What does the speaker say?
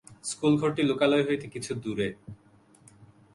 স্কুলঘরটি লোকালয় হইতে কিছু দূরে।